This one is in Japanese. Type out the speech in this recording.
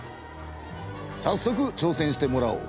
さっそくちょうせんしてもらおう。